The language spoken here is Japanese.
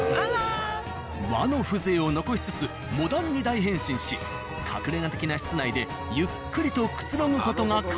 和の風情を残しつつモダンに大変身し隠れ家的な室内でゆっくりとくつろぐ事が可能に。